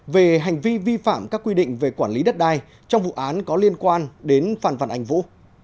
về hành vi vi phạm các quy định về quản lý đất đai trong vụ án có liên quan đến phản văn ảnh vụ